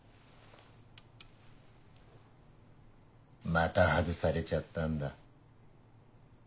また外されちゃったんだ。